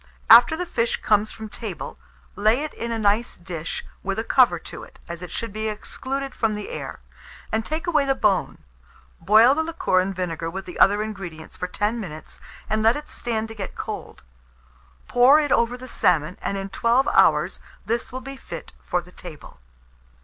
After the fish comes from table, lay it in a nice dish with a cover to it, as it should be excluded from the air, and take away the bone; boil the liquor and vinegar with the other ingredients for 10 minutes, and let it stand to get cold; pour it over the salmon, and in 12 hours this will be fit for the table.